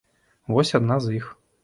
Вось адна з іх.